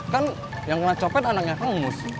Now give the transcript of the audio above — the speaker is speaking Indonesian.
kan yang kena copet anaknya kang mus